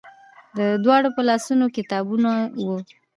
د دواړو په لاسونو کې کتابونه وو.